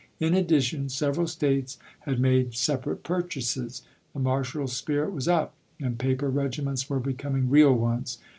In addition several States had made sepa July \^^*^^ rate pui'chases. The martial spirit was up, and voll^i."p.' paper regiments were becoming real ones.